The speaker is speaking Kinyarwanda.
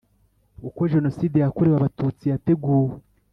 uko Jenoside yakorewe Abatutsi yateguwe